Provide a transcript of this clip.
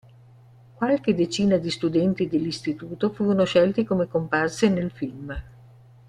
Qualche decina di studenti dell'istituto furono scelti come comparse nel film.